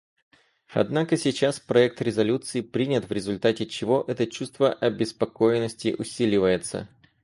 Однако сейчас проект резолюции принят, в результате чего это чувство обеспокоенности усиливается.